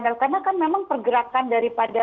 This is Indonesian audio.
karena kan memang pergerakan daripada